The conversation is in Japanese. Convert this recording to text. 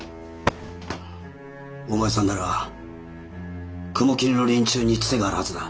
お前さんなら雲霧の連中につてがあるはずだ。